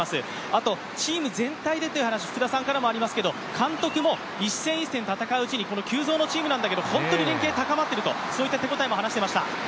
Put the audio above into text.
あとチーム全体でという話、福田さんからもありますけれども、監督も一戦一戦戦ううちに急造のチームなんだけど本当に連係が高まっていると、そういった手応えも話していました。